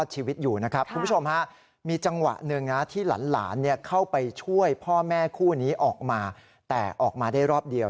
หลานเข้าไปช่วยพ่อแม่คู่นี้ออกมาแต่ออกมาได้รอบเดียว